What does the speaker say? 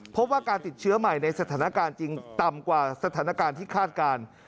พบว่าการติดเชื้อใหม่ในสถานการณ์จริงต่ำกว่าสถานการณ์ที่คาดการณ์